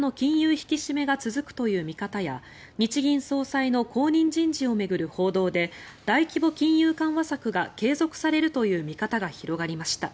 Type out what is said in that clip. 引き締めが続くという見方や日銀総裁の後任人事を巡る報道で大規模金融緩和策が継続されるという見方が広がりました。